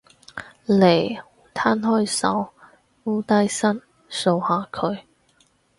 嚟，攤開手，摀低身，掃下佢